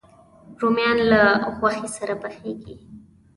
رومیان له غوښې سره پخېږي